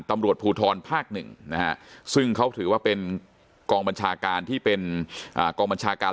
ตำรวจภูทรภาคหนึ่งนะฮะซึ่งเขาถือว่าเป็นกองบัญชาการที่เป็นกองบัญชาการ